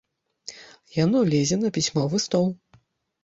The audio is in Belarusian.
Яно лезе на пісьмовы стол.